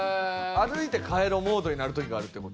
歩いて帰ろうモードになる時があるって事や。